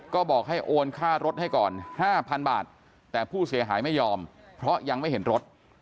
ก็บอกให้โอนค่ารถให้ก่อน๕๐๐๐บาทแต่ผู้เสียหายไม่ยอมเพราะยังไม่เห็นรถ